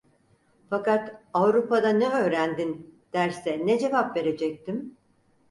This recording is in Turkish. Fakat "Avrupa'da ne öğrendin?" derse ne cevap verecektim?